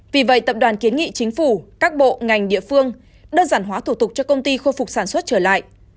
vì vậy tập đoàn kiến nghị chính phủ các bộ ngành địa phương đơn giản hóa thủ tục cho công ty khôi phục sản xuất trở lại